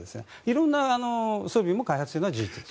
色んな装備も開発しているのは事実です。